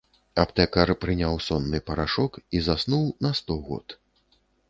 Аптэкар прыняў сонны парашок і заснуў на сто год.